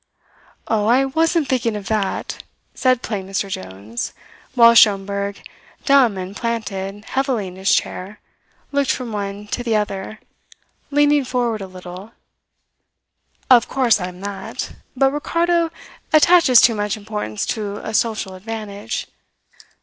"Oh, I wasn't thinking of that," said plain Mr. Jones, while Schomberg, dumb and planted heavily in his chair looked from one to the other, leaning forward a little. "Of course I am that; but Ricardo attaches too much importance to a social advantage.